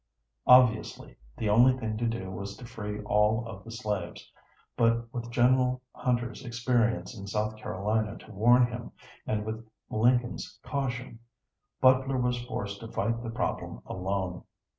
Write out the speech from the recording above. Obviously, the only thing to do was to free all of the slaves, but with Gen. Hunter's experience in South Carolina to warn him, and with Lincoln's caution, Butler was forced to fight the problem alone.